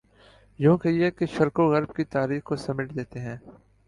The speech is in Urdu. یوں کہیے کہ شرق و غرب کی تاریخ کو سمیٹ دیتے ہیں۔